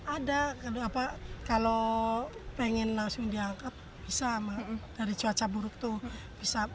ada kalau pengen langsung diangkat bisa dari cuaca buruk itu bisa